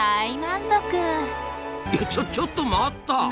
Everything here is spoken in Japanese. いやちょちょっと待った！